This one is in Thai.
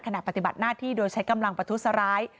ขณะปฏิบัติหน้าที่โดยใช้กำลังประทุษร้าย